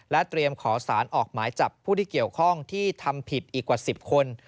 เตรียมขอสารออกหมายจับผู้ที่เกี่ยวข้องที่ทำผิดอีกกว่า๑๐คน